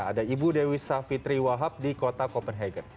ada ibu dewi savitri wahab di kota copenhagen